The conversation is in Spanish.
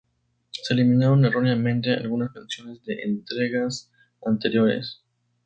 Se eliminaron erróneamente algunas canciones de entregas anteriores.